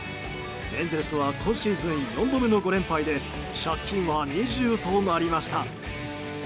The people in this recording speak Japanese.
エンゼルスは今シーズン４度目の５連敗で借金は２０となりました。